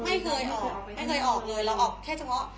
ไม่เคยออกเลยไม่เคยออกเลยแล้วออกแค่จะหมา